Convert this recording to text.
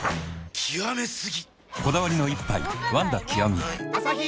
極め過ぎ！